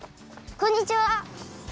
こんにちは！